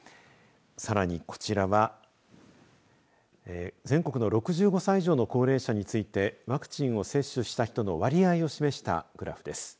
さらに、こちらは全国の６５歳以上の高齢者についてワクチンを接種した人の割合を示したグラフです。